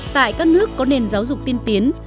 tại các nước có nền giáo dục tiên tiến